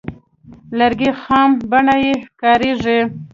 لرګی خام بڼه کې کاریږي.